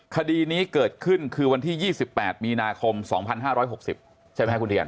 คดีนี้เกิดขึ้นคือวันที่๒๘มีนาคม๒๕๖๐ใช่ไหมคุณเทียน